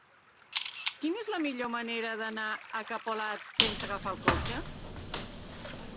Quina és la millor manera d'anar a Capolat sense agafar el cotxe?